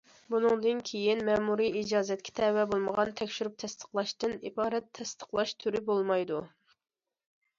بۇنىڭدىن كېيىن« مەمۇرىي ئىجازەتكە تەۋە بولمىغان تەكشۈرۈپ تەستىقلاش» تىن ئىبارەت تەستىقلاش تۈرى بولمايدۇ.